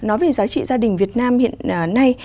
nói về giá trị gia đình việt nam hiện nay